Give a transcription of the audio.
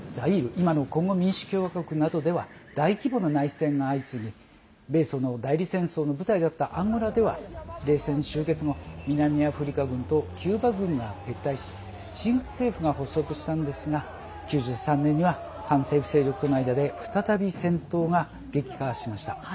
今のコンゴ民主共和国などでは大規模な内戦が相次ぐ米ソの代理戦争の舞台だったアンゴラでは冷戦終結後南アフリカ軍とキューバ軍が撤退し新政府が発足したんですが９３年には反政府勢力との間で再び戦闘が激化しました。